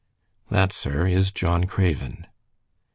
"That, sir, is John Craven."